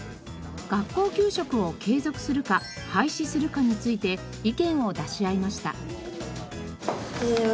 「学校給食を継続するか廃止するか」について意見を出し合いました。